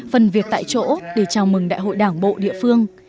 phần việc tại chỗ để chào mừng đại hội đảng bộ địa phương